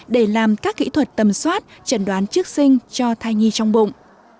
để làm các kỹ thuật tầm soát chẩn đoán trước sinh cho thai nhi trong bụng